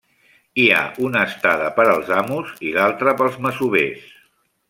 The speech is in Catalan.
Hi ha una estada per als amos i l'altre pels masovers.